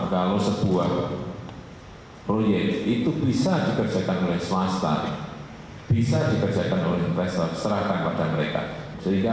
kalau sebuah proyek itu bisa dikerjakan oleh swasta bisa dikerjakan oleh investor serahkan pada mereka sehingga